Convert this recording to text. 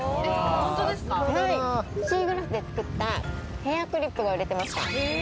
シーグラスで作ったヘアクリップが売れてました。